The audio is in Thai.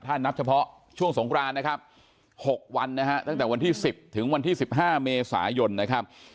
ท่านนับเฉพาะช่วงสงครานนะครับ